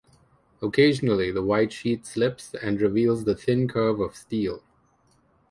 Occasionally, the white sheet slips, and reveals the thin curve of steel.